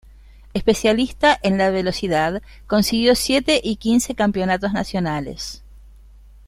Especialista en la Velocidad, consiguió siete y quince campeonatos nacionales.